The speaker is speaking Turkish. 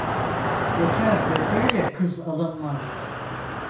Bekâr gözü ile kız alınmaz.